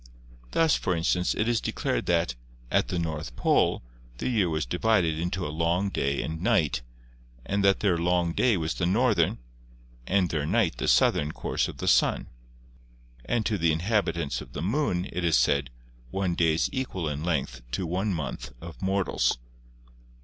Thus, for instance, it is declared that, at the North Pole, the year was divided into a long day and night and that their long day was the northern, and their night the southern course of the Sun; and to the inhabitants of the Moon, it is said, one day is equal in length to one month of mortals."